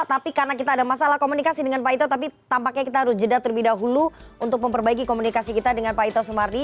tapi karena kita ada masalah komunikasi dengan pak ito tapi tampaknya kita harus jeda terlebih dahulu untuk memperbaiki komunikasi kita dengan pak ito sumardi